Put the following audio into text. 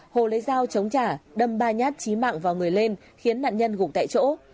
hồ lấy dao chống trả đâm ba nhát chí mạng vào người lên khiến nạn nhân gục tại chỗ